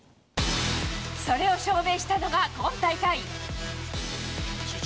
それを証明したのが今大会。